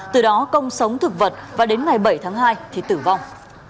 từ đó công sống thực vật và đến ngày bảy tháng hai thì tử vong